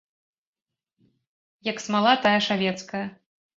Як смала тая шавецкая.